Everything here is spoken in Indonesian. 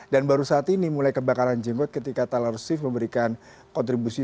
dan baru saat ini mulai kebakaran jenggot ketika talar sif memberikan kontribusi